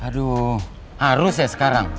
aduh harus ya sekarang